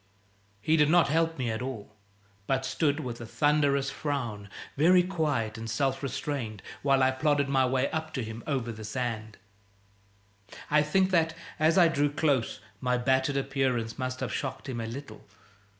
He did not help me at all, but stood with a thunderous frown, very quiet and self restrained, while I plodded my way up to him, over the sand. I think that, as I drew close, my battered appearance must have shocked him a little.